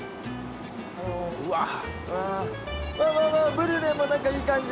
ブリュレも何かいい感じに。